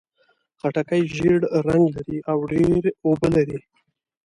خټکی ژېړ رنګ لري او ډېر اوبه لري.